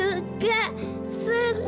lara juga seneng